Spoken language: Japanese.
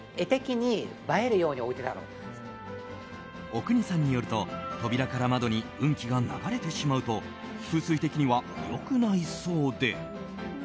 阿国さんによると、扉から窓に運気が流れてしまうと風水的には良くないそうで。